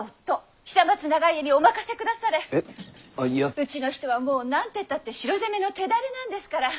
うちの人はもうなんてったって城攻めの手だれなんですから！